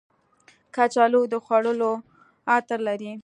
کچالو د خوړو عطر لري